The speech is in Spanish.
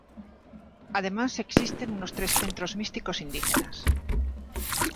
Además, existen unos tres centros místicos indígenas.